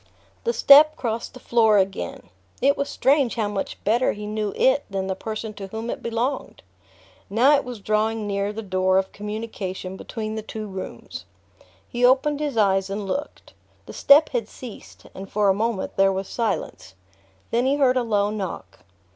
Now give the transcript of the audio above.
The step crossed the floor again. It was strange how much better he knew it than the person to whom it belonged! Now it was drawing near the door of communication between the two rooms. He opened his eyes and looked. The step had ceased and for a moment there was silence. Then he heard a low knock.